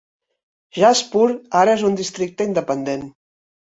Jashpur ara és un districte independent.